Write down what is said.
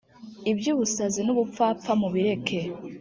ibyubusazi n ‘ubupfapfa mubireke.